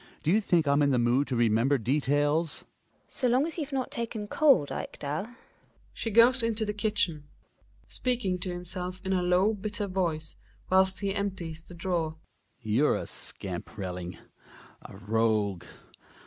Do you think I am in the mood to remember details ? GiNA. So long as you've not taken cold, Ekdal She goes into the kitchen. Hjalmar {speaking to himself in a low hitter voice whilst he empties the drawer). You're a scamp, Relling ! A rogue